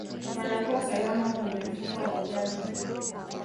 wanakuwa salama kwenye mfuko wa uzazi